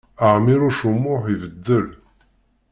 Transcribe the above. Ɛmiṛuc U Muḥ ibeddel.